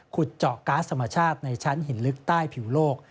ขุดเจาะก๊าซธรรมชาติในชั้นหินลึกใต้ผิวโลก